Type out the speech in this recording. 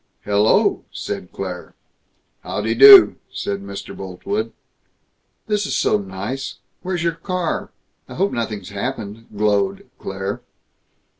"Hel lo!" said Claire. "How dee do," said Mr. Boltwood. "This is so nice! Where's your car? I hope nothing's happened," glowed Claire.